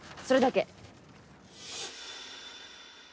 それだけ。